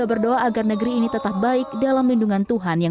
mengurut disipi tidak dohai kemati setiap tahunnya